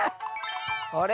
あれ？